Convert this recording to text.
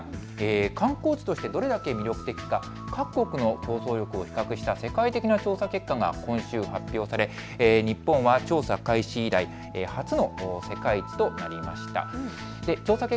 観光地としてどれくらい魅力的か各国の競争力を比較した世界的な調査結果が今週発表され日本は調査開始以来初の世界一となりました。